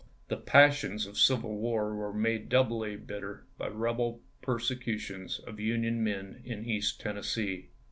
The passions of civil war were made doubly bitter by rebel persecutions of Union men in East Tennessee.